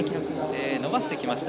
伸ばしてきました。